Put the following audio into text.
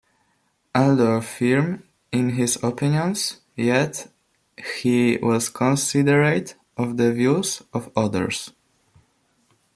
Although firm in his opinions, yet he was considerate of the views of others.